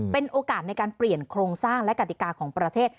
เป็นโอกาสในการเปลี่ยนโครงสร้างและกติกาของประเทศ